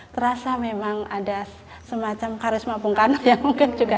terasa memang ada semacam karisma bung karno yang mungkin juga